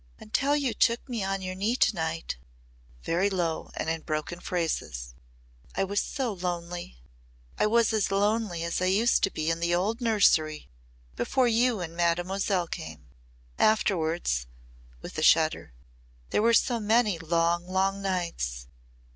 "Until you took me on your knee to night," very low and in broken phrases, "I was so lonely. I was as lonely as I used to be in the old nursery before you and Mademoiselle came. Afterwards " with a shudder, "there were so many long, long nights.